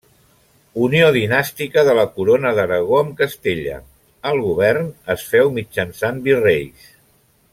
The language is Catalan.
Unió dinàstica de la Corona d'Aragó amb Castella; el govern es féu mitjançant virreis.